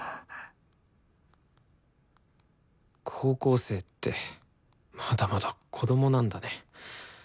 高校生ってまだまだ子供なんだね。